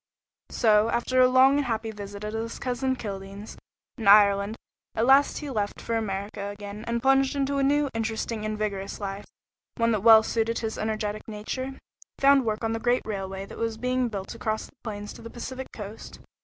So, after a long and happy visit at his cousin Kildene's, in Ireland, he at last left for America again, and plunged into a new, interesting, and vigorous life, one that suited well his energetic nature. He found work on the great railway that was being built across the plains to the Pacific Coast.